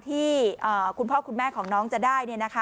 ที่คุณพ่อคุณแม่ของน้องจะได้